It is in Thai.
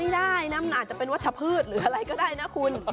ได้นะมันอาจจะเป็นวัชพืชหรืออะไรก็ได้นะคุณ